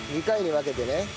２回に分けてね。